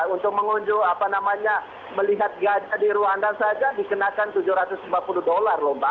untuk mengunjungi melihat gajah di ruanda saja dikenakan tujuh ratus lima puluh dolar lomba